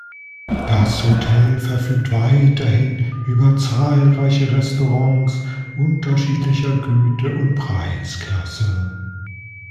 Das Hotel verfügt weiterhin über zahlreiche Restaurants unterschiedlicher Güte und Preisklasse.